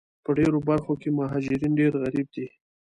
په ډېرو برخو کې مهاجرین ډېر غریب دي